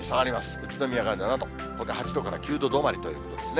宇都宮が７度、ほか８度から９度止まりということですね。